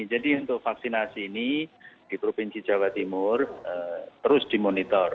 jadi untuk vaksinasi ini di provinsi jawa timur terus dimonitor